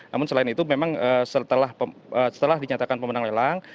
namun selain itu memang setelah dinyatakan pemenang lelang